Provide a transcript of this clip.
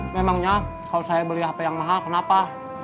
memangnya kalau saya beli hp yang mahal kenapa